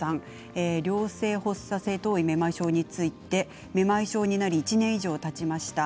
良性発作性頭位めまい症についてめまい症になり１年以上たちました。